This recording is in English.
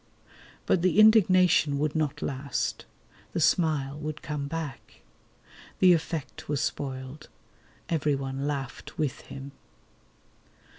But the indignation would not last. The smile would come back. The effect was spoiled. Everyone laughed with him.